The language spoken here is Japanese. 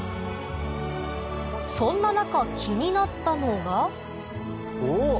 そんな中気になったのがおっ！